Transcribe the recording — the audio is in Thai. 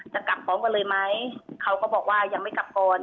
จะกลับพร้อมกันเลยไหมเขาก็บอกว่ายังไม่กลับก่อน